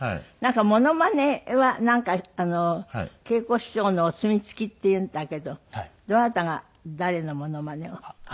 モノマネはなんか桂子師匠のお墨付きっていうんだけどどなたが誰のモノマネを？